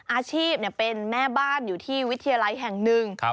อาชีพเป็นแม่บ้านอยู่ที่วิทยาลัยแห่งหนึ่ง